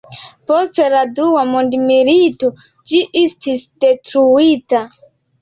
Post la dua mondmilito ĝi estis detruita.